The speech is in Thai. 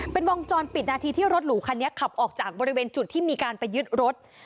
เป็นวงจรปิดนาทีที่รถหรูคันนี้ขับออกจากบริเวณจุดที่มีการไปยึดรถ